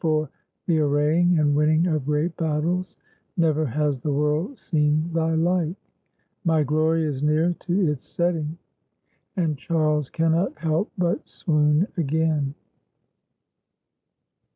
For the arraying and winning of great battles, never has the world seen thy like. My glory is near to its setting." And Charles cannot help but swoon again.